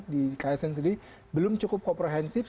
di ksn sendiri belum cukup komprehensif